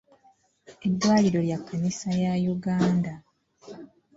Eddwaliro lya kkanisa ya Uganda.